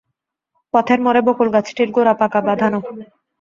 পথের মোড়ে বকুলগাছটির গোড়া পাকা বাধানো।